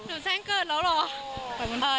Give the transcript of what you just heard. แจ้งเกิดแล้วเหรอ